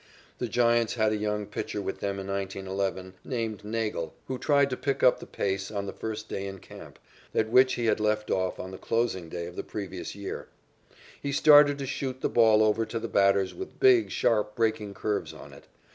The Giants had a young pitcher with them in 1911, named Nagle, who tried to pick up the pace, on the first day in camp, at which he had left off on the closing day of the previous year. He started to shoot the ball over to the batters with big, sharp breaking curves on it.